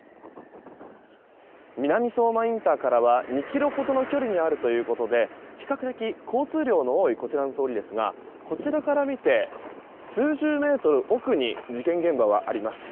南相馬インターからは２ｋｍほどの距離にあるということで比較的交通量の多いこちらの通りですがこちらから見て数十メートル奥に事件現場はあります。